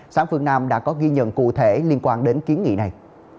sáng phương nam đã có ghi nhận cụ thể liên quan đến kiến nghị này